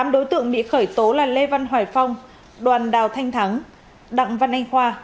tám đối tượng bị khởi tố là lê văn hoài phong đoàn đào thanh thắng đặng văn anh khoa